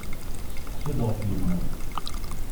Testeqsa-d ɣef yemma.